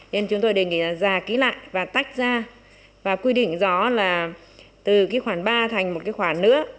nên chúng tôi đề nghị ra kỹ lại và tách ra và quy định rõ là từ cái khoản ba thành một cái khoản nữa